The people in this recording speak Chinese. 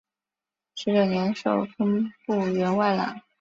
十九年授工部员外郎。